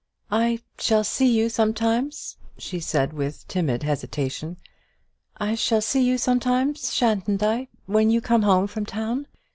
"I shall see you sometimes," she said, with timid hesitation, "I shall see you sometimes, shan't I, when you come home from town?